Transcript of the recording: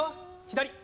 左。